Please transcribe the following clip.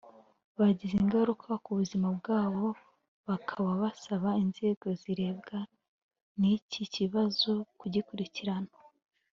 byagize ingaruka ku buzima bwabo bakaba basaba inzego zirebwa n’iki kibazo kugikurikirana